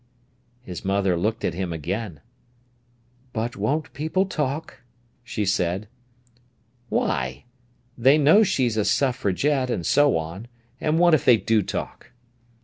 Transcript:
His mother looked at him again. "But won't people talk?" she said. "Why? They know she's a suffragette, and so on. And what if they do talk!"